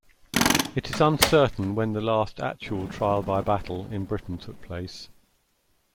It is uncertain when the last actual trial by battle in Britain took place.